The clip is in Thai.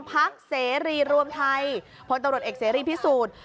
ภักดิ์เศรีรวมไทพลตรศนอเอกเศรษฐุรูปพิสูจน์